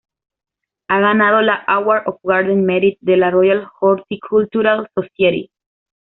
Ha ganado la Award of Garden Merit de la Royal Horticultural Society.